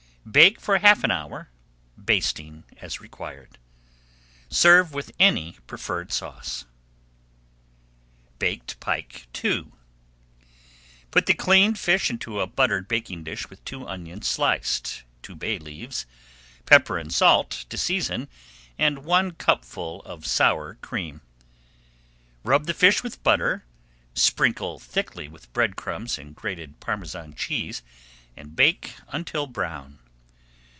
Bake for half an hour, basting as required. Serve with any preferred sauce. [Page 248] BAKED PIKE II Put the cleaned fish into a buttered baking dish with two onions sliced, two bay leaves, pepper and salt to season, and one cupful of sour cream. Rub the fish with butter, sprinkle thickly with bread crumbs and grated Parmesan cheese, and bake until brown.